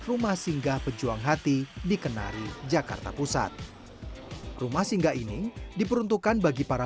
rumah singgah pejuang hati di kenari jakarta pusat rumah singgah ini diperuntukkan bagi para